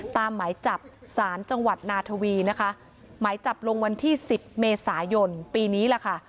หมายจับสารจังหวัดนาทวีนะคะหมายจับลงวันที่สิบเมษายนปีนี้แหละค่ะ